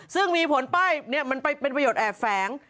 ซึ่งมีผลป้ายเนี่ยมันไปเป็นประโยชน์แอร์แฟลง